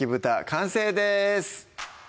完成です